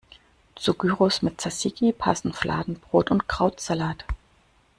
Zu Gyros mit Tsatsiki passen Fladenbrot und Krautsalat.